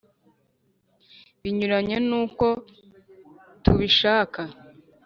binyuranye n' uko tubishaka